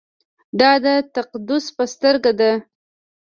دا د تقدس په سترګه ده.